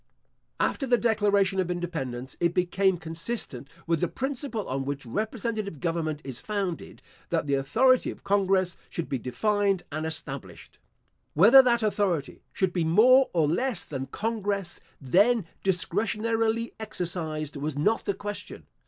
After the declaration of independence, it became consistent with the principle on which representative government is founded, that the authority of congress should be defined and established. Whether that authority should be more or less than congress then discretionarily exercised was not the question.